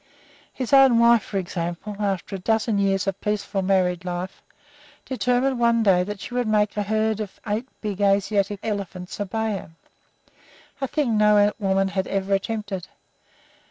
His own wife, for example, after a dozen years of peaceful married life, determined one day that she would make a herd of eight big Asiatic elephants obey her, a thing no woman had ever attempted.